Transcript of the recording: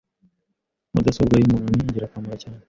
Mudasobwa yumuntu ni ingirakamaro cyane. .